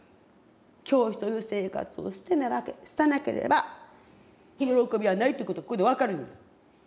教師という生活を捨てなければ喜びはないってことがここで分かるんや。